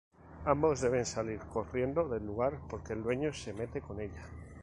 Ambos deben salir corriendo del lugar porque el dueño se mete con ella.